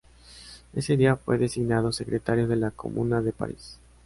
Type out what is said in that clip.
Ese día fue designado secretario de la Comuna de París.